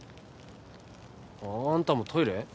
あんたもトイレ？